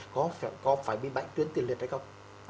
có phải bị bệnh tuyến tiền liệt hay không